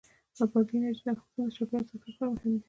بادي انرژي د افغانستان د چاپیریال ساتنې لپاره مهم دي.